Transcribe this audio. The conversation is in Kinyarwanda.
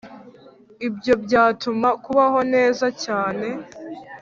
ibyo byatuma kubaho neza cyane,